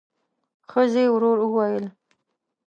ښځې ورو وويل: